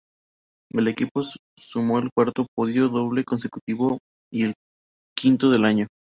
El equipo sumó el cuarto podio doble consecutivo y el quinto del año.